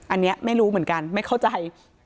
อันนี้ไม่รู้เหมือนกันไม่เข้าใจ